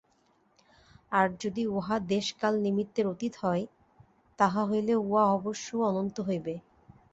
আর যদি উহা দেশকালনিমিত্তের অতীত হয়, তাহা হইলে উহা অবশ্য অনন্ত হইবে।